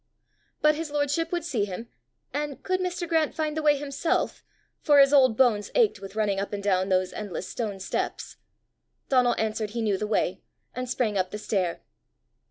But his lordship would see him and could Mr. Grant find the way himself, for his old bones ached with running up and down those endless stone steps? Donal answered he knew the way, and sprang up the stair.